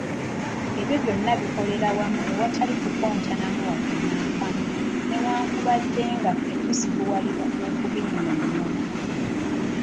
Ebyo byonna bikolera wamu awatali kukontamuuko wadde nakamu , newankubadde nga ffe tuzibuwalirwa okubinyonyola.